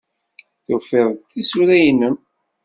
Tufiḍ-d tisura-nnem?